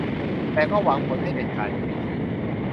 แต่ก็หวังผลให้เด็ดขาดอยู่ในที